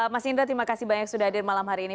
mas indra terima kasih banyak sudah hadir malam hari ini